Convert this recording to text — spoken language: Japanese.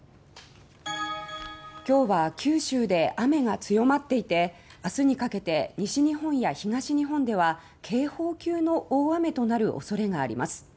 今日は九州で雨が強まっていて明日にかけて西日本や東日本では警報級の大雨となる恐れがあります。